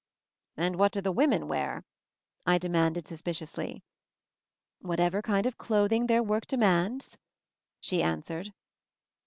"And what do the women wear," I de manded suspiciously. "Whatever kind of clothing their work demands," she answered.